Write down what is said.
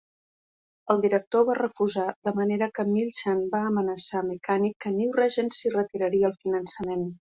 El director va refusar, de manera que Milchan va amenaçar Mechanic que New Regency retiraria el finançament.